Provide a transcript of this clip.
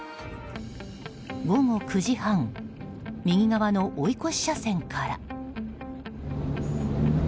午後９時半右側の追い越し車線から。